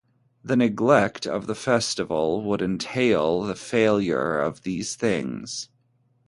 The neglect of the festival would entail the failure of these things.